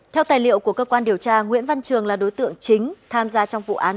theo tài liệu của cơ quan điều tra nguyễn văn trường là đối tượng chính tham gia trong vụ án